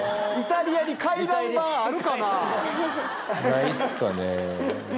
ないっすかね。